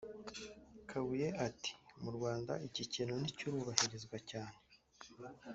Kabuye ati “Mu Rwanda iki kintu ntikirubahirizwa cyane